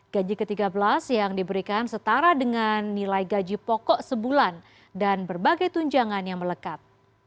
gaji ke tiga belas yang diberikan setara dengan nilai gaji pokok sebulan dan berbagai tunjangan yang melekat